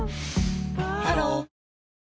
ハロー